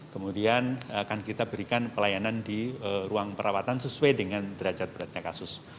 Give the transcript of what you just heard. kemudian akan kita berikan pelayanan di ruang perawatan sesuai dengan derajat beratnya kasus